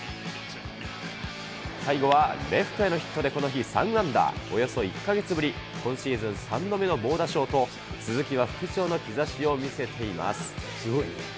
最後はレフトへのヒットで、この日３安打、およそ１か月ぶり、今シーズン３度目の猛打賞と、鈴木は復調の兆しを見せています。